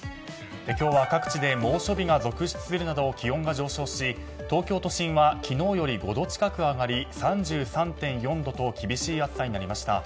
今日は各地で猛暑日が続出するなど気温が上昇し、東京都心は昨日より５度近く上がり３３．４度と厳しい暑さになりました。